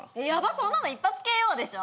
そんなの一発ＫＯでしょ。